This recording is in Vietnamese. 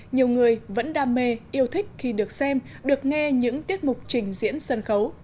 nhiều người vẫn đam mê yêu thích khi được xem được nghe những tiết mục trình diễn sân khấu